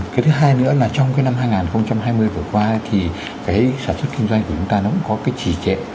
cái thứ hai nữa là trong cái năm hai nghìn hai mươi vừa qua thì cái sản xuất kinh doanh của chúng ta nó cũng có cái trì trệ